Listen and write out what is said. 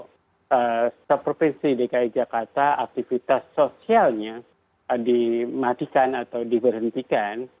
kalau seprovinsi dki jakarta aktivitas sosialnya dimatikan atau diberhentikan